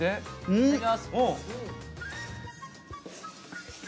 いただきます。